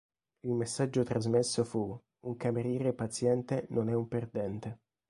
Il messaggio trasmesso fu: "Un cameriere paziente non è un perdente".